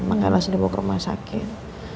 makanya langsung dibawa ke rumah sakit